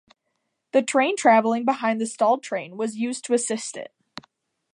The train travelling behind the stalled train was used to assist it.